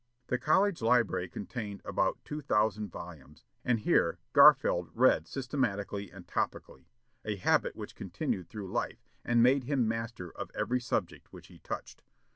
The college library contained about two thousand volumes, and here Garfield read systematically and topically, a habit which continued through life, and made him master of every subject which he touched.